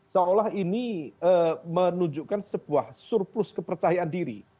seolah ini menunjukkan sebuah surplus kepercayaan diri